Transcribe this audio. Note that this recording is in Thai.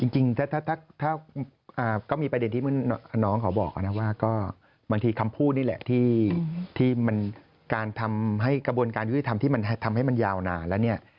จริงค่ะมึงนอกก็บอกนะว่าก็บางทีคำพูดนี่แหละมันการทำให้มันทำให้มันยาวนานแล้วเนี่ย